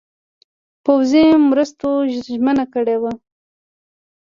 پوځي مرستو ژمنه کړې وه.